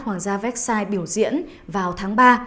hoàng gia vecchiai biểu diễn vào tháng ba